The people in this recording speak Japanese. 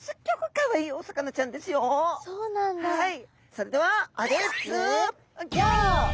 それでは。